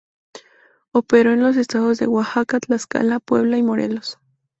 Operó en los estados de Oaxaca, Tlaxcala, Puebla y Morelos.